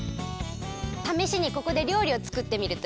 ためしにここでりょうりをつくってみるといいわ。